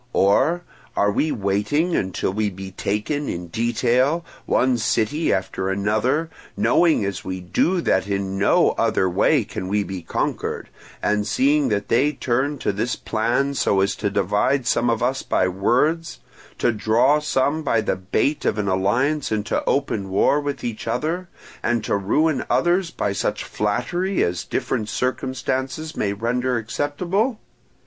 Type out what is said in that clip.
Or, are we waiting until we be taken in detail, one city after another; knowing as we do that in no other way can we be conquered, and seeing that they turn to this plan, so as to divide some of us by words, to draw some by the bait of an alliance into open war with each other, and to ruin others by such flattery as different circumstances may render acceptable?